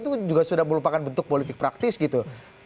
itu juga sudah melupakan bentuk politik praktis gitu